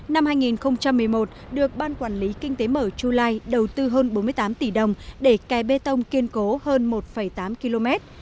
năm hai nghìn một mươi một được ban quản lý kinh tế mở chu lai đầu tư hơn bốn mươi tám tỷ đồng để kè bê tông kiên cố hơn một tám km